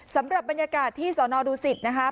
สำหรับบรันยากาศที่สนดูศิษย์นะครับ